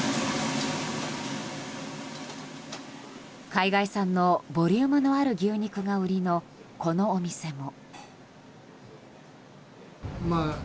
海外産のボリュームのある牛肉が売りの、このお店も。